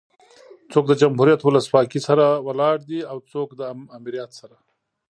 څوک د جمهوريت ولسواکي سره ولاړ دي او څوک ده امريت سره